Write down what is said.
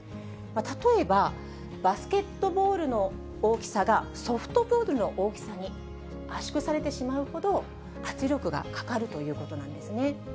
例えばバスケットボールの大きさがソフトボールの大きさに圧縮されてしまうほど、圧力がかかるということなんですね。